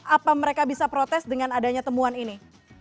apa mereka bisa protes dengan adanya temuan ini